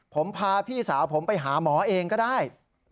ผมพาพี่สาวผมไปหาหมอเองก็ได้